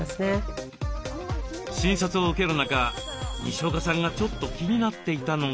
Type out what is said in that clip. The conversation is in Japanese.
診察を受ける中にしおかさんがちょっと気になっていたのが。